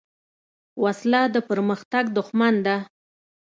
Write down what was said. وسله د پرمختګ دښمن ده